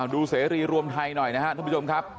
เสรีรวมไทยหน่อยนะครับท่านผู้ชมครับ